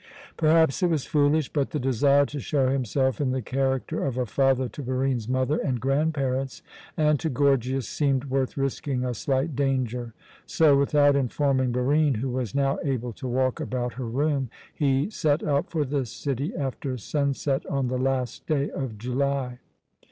Perhaps it was foolish, but the desire to show himself in the character of a father to Barine's mother and grandparents and to Gorgias seemed worth risking a slight danger; so, without informing Barine, who was now able to walk about her room, he set out for the city after sunset on the last day of July.